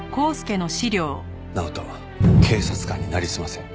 直人警察官になりすませ。